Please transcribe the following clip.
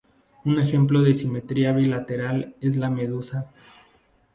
Un ejemplo de simetría bilateral es la medusa.